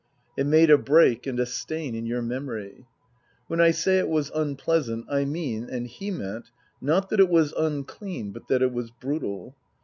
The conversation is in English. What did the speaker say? It made a break and a stain in your memory. When I say it was unpleasant I mean, and he meant, not that it was unclean, but that it was brutal.